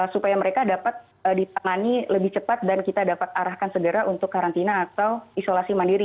supaya mereka dapat ditangani lebih cepat dan kita dapat arahkan segera untuk karantina atau isolasi mandiri